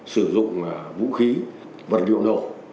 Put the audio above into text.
sử dụng vũ khí vật liệu nổ